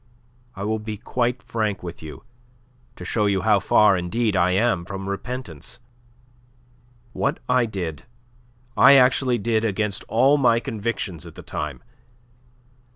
I will be quite frank with you to show you how far, indeed, I am from repentance. What I did, I actually did against all my convictions at the time.